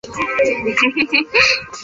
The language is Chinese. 河北省丰润县南青坨村人。